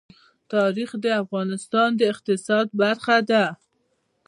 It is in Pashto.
تاریخ د افغانستان د اقتصاد برخه ده.